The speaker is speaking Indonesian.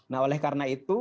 nah oleh karena itu